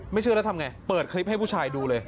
เชื่อแล้วทำไงเปิดคลิปให้ผู้ชายดูเลย